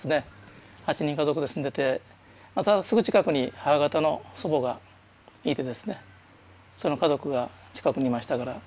８人家族で住んでてまたすぐ近くに母方の祖母がいてですねその家族が近くにいましたから。